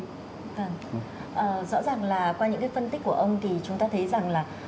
vâng rõ ràng là qua những cái phân tích của ông thì chúng ta thấy rằng là